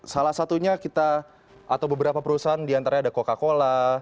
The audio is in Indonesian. salah satunya kita atau beberapa perusahaan diantaranya ada coca cola